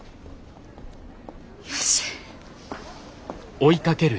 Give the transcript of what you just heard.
よし。